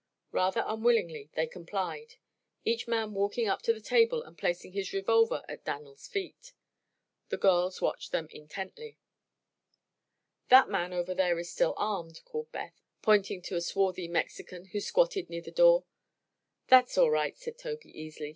Rather unwillingly they complied, each man walking up to the table and placing his revolver at Dan'l's feet. The girls watched them intently. "That man over there is still armed," called Beth, pointing to a swarthy Mexican who squatted near the door. "That's all right," said Tobey, easily.